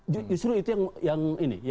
justru itu yang